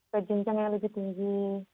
ke junceng yang lebih tinggi